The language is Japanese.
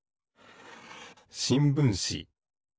しんぶんし。